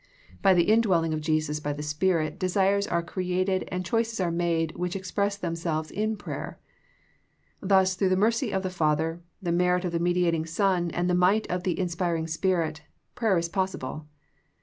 By the indwelling of Jesus by the Spirit desires are created and choices are made which express themselves in prayer. Thus through the mercy of the Father, the merit of the mediating Son, and the might of the inspiring Spirit, prayer is possible.